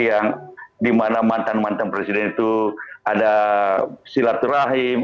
yang dimana mantan mantan presiden itu ada silaturahim